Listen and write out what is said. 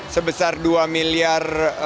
sebesar dua miliar